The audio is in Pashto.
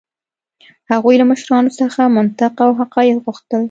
هغوی له مشرانو څخه منطق او حقایق غوښتل.